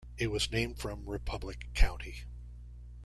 It was named from Republic County.